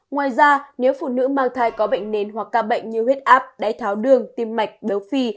ngoài ra nếu phụ nữ mang thai có bệnh nền hoặc ca bệnh như huyết áp đáy tháo đường tim mạch béo phì